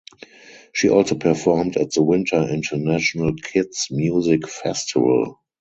She also performed at the Winter International Kids Music Festival.